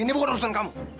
ini bukan urusan kamu